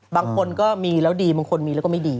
บางคนก็มีแล้วดีบางคนมีแล้วก็ไม่ดี